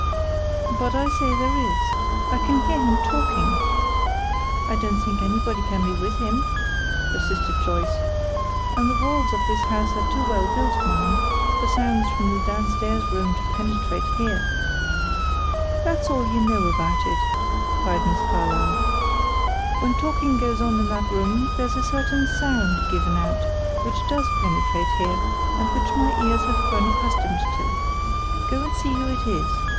"But I say there is. I can hear him talking." "I don't think anybody can be with him," persisted Joyce. "And the walls of this house are too well built, ma'am, for sounds from the down stairs rooms to penetrate here." "That's all you know about it," cried Miss Carlyle. "When talking goes on in that room, there's a certain sound given out which does penetrate here, and which my ears have grown accustomed to. Go and see who it is.